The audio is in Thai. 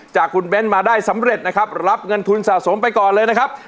จากคุณเบ้นมาได้สำเร็จนะครับรับเงินทุนสะสมไปก่อนเลยนะครับ